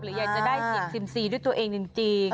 อยากจะได้เสียงซิมซีด้วยตัวเองจริง